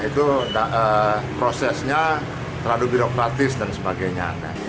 itu prosesnya terlalu birokratis dan sebagainya